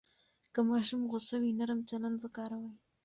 که ماشوم غوسه وي، نرم چلند وکاروئ.